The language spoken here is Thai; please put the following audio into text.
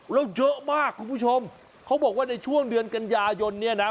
แล้วเยอะมากคุณผู้ชมเขาบอกว่าในช่วงเดือนกันยายนเนี่ยนะ